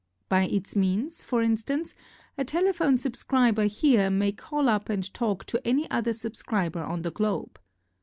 By its means, for instance, a telephone subscriber here may call up and talk to any other subscriber on the Globe.